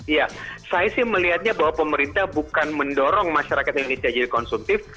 ya saya sih melihatnya bahwa pemerintah bukan mendorong masyarakat indonesia jadi konsumtif